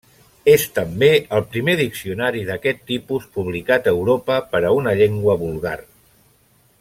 És també el primer diccionari d'aquest tipus publicat a Europa per a una llengua vulgar.